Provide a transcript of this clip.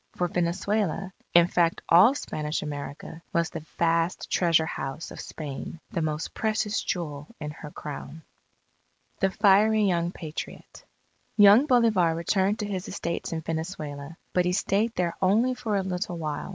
For Venezuela in fact all Spanish America was the vast treasure house of Spain, the most precious jewel in her Crown. THE FIERY YOUNG PATRIOT Young Bolivar returned to his estates in Venezuela. But he stayed there only for a little while.